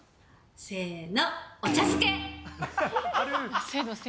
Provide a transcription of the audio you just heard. せーの、お茶漬け。